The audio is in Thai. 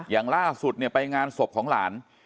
อย่างล่าสุดเนี่ยไปงานศพของหลาน